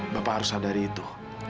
bapak harus sadari itu